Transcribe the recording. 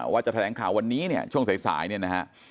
ว่าจะแถลงข่าววันนี้เนี่ยช่วงสายเนี่ยนะฮะ